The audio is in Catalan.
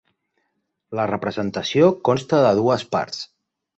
La representació consta de dues parts.